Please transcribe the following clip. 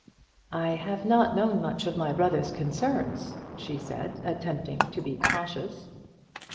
"I have not known much of my brother's concerns," she said, attempting to be cautious.